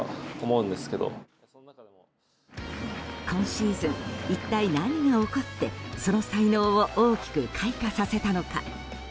今シーズン一体、何が起こってその才能を大きく開花させたのか。